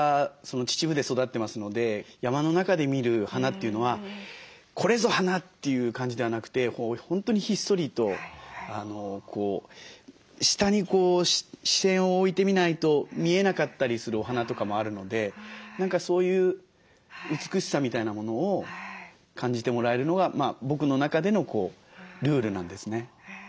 秩父で育ってますので山の中で見る花というのはこれぞ花！という感じではなくて本当にひっそりと下に視線を置いてみないと見えなかったりするお花とかもあるので何かそういう美しさみたいなものを感じてもらえるのが僕の中でのルールなんですね。